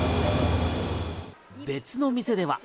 別の店では。